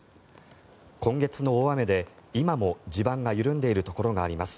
今月の大雨で今も地盤が緩んでいるところがあります。